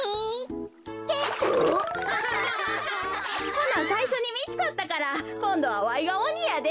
ほなさいしょにみつかったからこんどはわいがおにやで。